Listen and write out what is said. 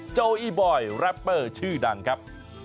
โจอีบอยแรปเปอร์ชื่อดังครับ